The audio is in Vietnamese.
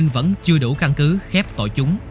nhưng vẫn chưa đủ căn cứ khép tội chúng